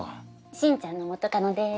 進ちゃんの元カノです。